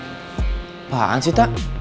ih apaan sih ta